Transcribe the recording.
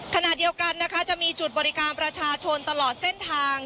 ขณะเดียวกันนะคะจะมีจุดบริการประชาชนตลอดเส้นทาง